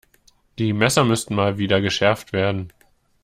Die Messer müssten Mal wieder geschärft werden.